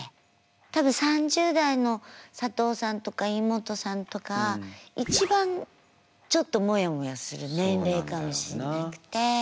多分３０代の佐藤さんとか井本さんとか一番ちょっともやもやする年齢かもしんなくて。